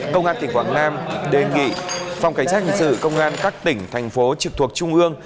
công an tỉnh quảng nam đề nghị phòng cảnh sát hình sự công an các tỉnh thành phố trực thuộc trung ương